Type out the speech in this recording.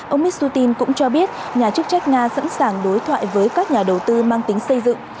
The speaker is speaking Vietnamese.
ông mishutin cũng cho biết nhà chức trách nga sẵn sàng đối thoại với các nhà đầu tư mang tính xây dựng